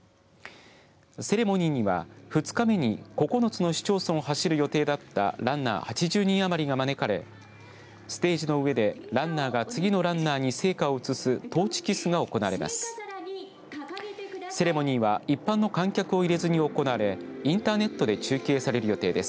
セレモニーには、２日目に９つの市町村を走る予定だったランナー８０人余りが招かれステージの上でランナーが次のランナーに聖火を移すトーチキスが行われます。